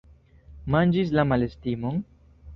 Manĝis la malestimon?